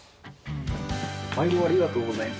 まいどありがとうございます。